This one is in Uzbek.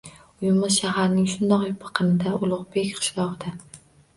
Uyimiz shaharning shundoq biqinida Ulug‘bek qishlog‘ida